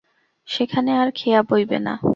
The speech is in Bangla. সেখানে আর খেয়া বইবে না।